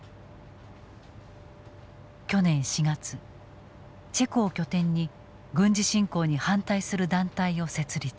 去年４月チェコを拠点に軍事侵攻に反対する団体を設立。